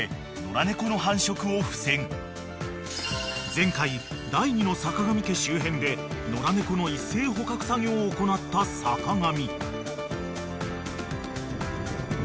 ［前回第２のさかがみ家周辺で野良猫の一斉捕獲作業を行った坂上］